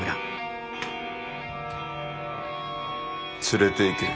連れていけ。